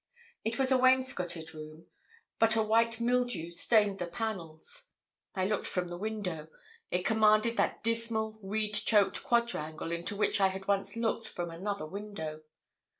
It was a wainscoted room, but a white mildew stained the panels. I looked from the window: it commanded that dismal, weed choked quadrangle into which I had once looked from another window.